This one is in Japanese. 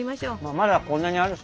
まだこんなにあるし。